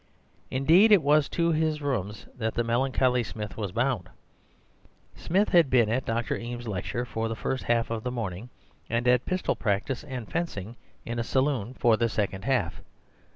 Indeed, it was to his rooms that the melancholy Smith was bound. Smith had been at Dr. Eames's lecture for the first half of the morning, and at pistol practice and fencing in a saloon for the second half.